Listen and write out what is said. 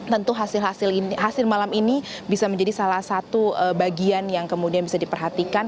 tentu hasil malam ini bisa menjadi salah satu bagian yang kemudian bisa diperhatikan